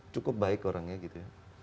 cukup baik orangnya gitu ya